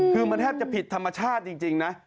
คือมันแทบจะผิดธรรมชาติจริงนะ